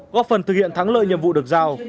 góp phần thực hiện thắng lợi nhiệm vụ được giao